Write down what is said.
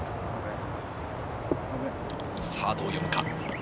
さぁどう読むか？